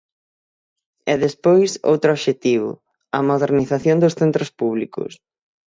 E despois, outro obxectivo: a modernización dos centros públicos.